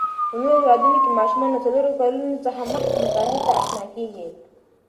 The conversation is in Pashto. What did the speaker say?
په نورو هیوادو کې ماشومان له څلورو کلونو څخه مطالعې ته آشنا کېږي.